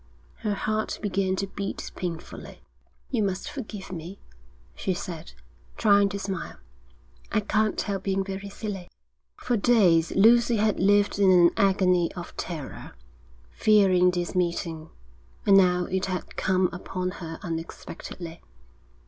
Her heart began to beat painfully. 'You must forgive me,' she said, trying to smile. 'I can't help being very silly.' For days Lucy had lived in an agony of terror, fearing this meeting, and now it had come upon her unexpectedly.